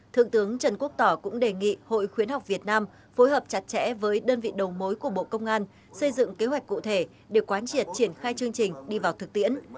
thượng tướng trần quốc tỏ cũng đề nghị hội khuyến học việt nam phối hợp chặt chẽ với đơn vị đầu mối của bộ công an xây dựng kế hoạch cụ thể để quán triệt triển khai chương trình đi vào thực tiễn